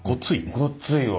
ごっついわ。